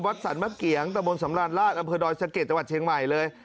สรรมะเกียงตะบนสำราญราชอำเภอดอยสะเก็ดจังหวัดเชียงใหม่เลย